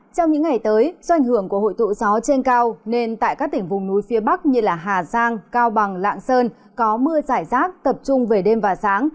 trong những ngày tới do ảnh hưởng của hội tụ gió trên cao nên tại các tỉnh vùng núi phía bắc như hà giang cao bằng lạng sơn có mưa giải rác tập trung về đêm và sáng